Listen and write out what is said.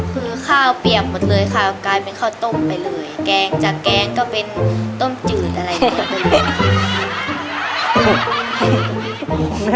คือข้าวเปียกหมดเลยค่ะกลายเป็นข้าวต้มไปเลยแกงจากแกงก็เป็นต้มจืดอะไรอย่างนี้